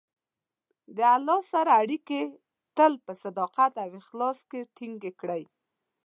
د الله سره خپلې اړیکې تل په صداقت او اخلاص کې ټینګې کړئ.